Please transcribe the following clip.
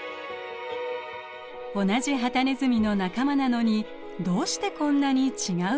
同じハタネズミの仲間なのにどうしてこんなに違うのでしょうか？